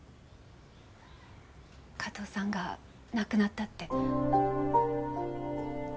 加藤さんが亡くなったって。